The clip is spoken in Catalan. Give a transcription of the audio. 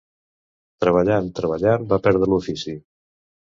Treballant, treballant, va perdre l'ofici.